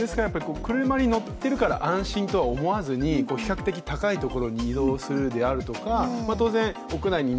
車に乗っているから安心とは思わずに比較的高いところに移動するとか。